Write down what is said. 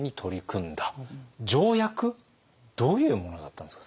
条約どういうものだったんですか？